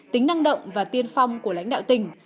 tính năng động và tiên phong của lãnh đạo tỉnh